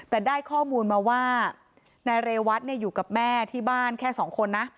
แต่ได้ข้อมูลมาว่านายเรวัตอยู่กับแม่ที่บ้านแค่สองคนนะ